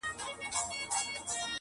• دا پر سپین کتاب لیکلی سپین عنوان ته,